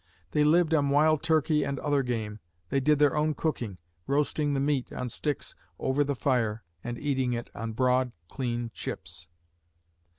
They lived on wild turkey and other game. They did their own cooking, roasting the meat on sticks over the fire and eating it on broad, clean chips.